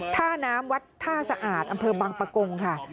ท่าน้ำวัดท่าสะอาดอำเภอบังปะกงค่ะ